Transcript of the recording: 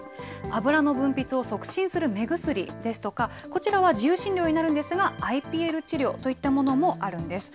油の分泌を促進する目薬ですとか、こちらは自由診療になるんですが、ＩＰＬ治療といったものもあるんです。